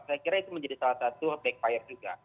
saya kira itu menjadi salah satu backfire juga